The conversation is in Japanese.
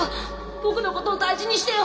僕のことを大事にしてよ。